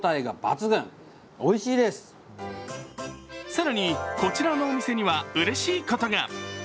更に、こちらのお店にはうれしいことが。